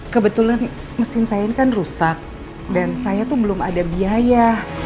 kebetulan mesin saya ini kan rusak dan saya tuh belum ada biaya